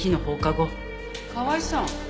河合さん。